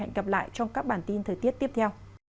hẹn gặp lại các bạn trong những video tiếp theo